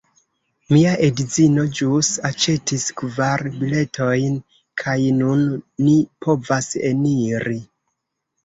Mia edzino ĵus aĉetis kvar biletojn kaj nun ni povas eniri